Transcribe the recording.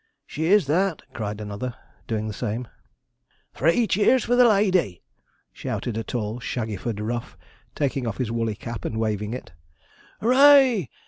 'She is that!' cried another, doing the same. 'Three cheers for the lady!' shouted a tall Shaggyford rough, taking off his woolly cap, and waving it. 'Hoo ray!